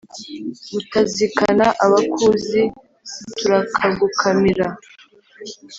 mutazikana abakuzi turakagukamira.